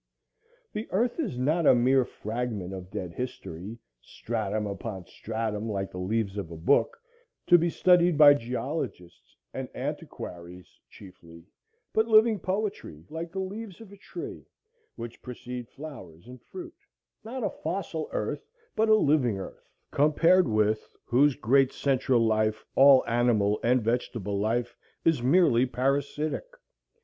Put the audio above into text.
The earth is not a mere fragment of dead history, stratum upon stratum like the leaves of a book, to be studied by geologists and antiquaries chiefly, but living poetry like the leaves of a tree, which precede flowers and fruit,—not a fossil earth, but a living earth; compared with whose great central life all animal and vegetable life is merely parasitic.